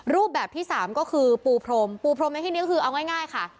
รูปแบบที่สามก็คือปูพรมปูพรมในที่นี้คือเอาง่ายค่ะ